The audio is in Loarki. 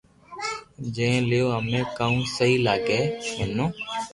جئين ليو ھمي ڪاو سھي لاگي منو